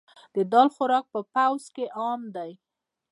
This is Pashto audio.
د دال خوراک په پوځ کې عام دی.